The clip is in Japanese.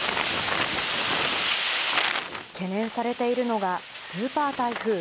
懸念されているのが、スーパー台風。